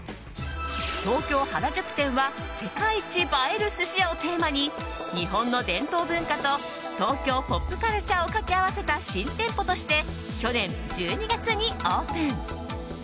東京・原宿店は世界一映える寿司屋をテーマに日本の伝統文化とトウキョウ・ポップカルチャーを掛け合わせた新店舗として去年１２月にオープン。